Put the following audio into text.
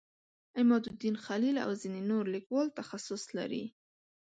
عمادالدین خلیل او ځینې نور لیکوال تخصص لري.